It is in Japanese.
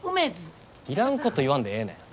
いらんこと言わんでええねん。